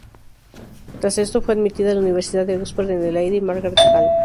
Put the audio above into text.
Tras esto, fue admitida a la Universidad de Oxford, en el Lady Margaret Hall.